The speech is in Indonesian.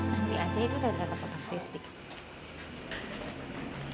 nanti aja itu tetap untuk sedikit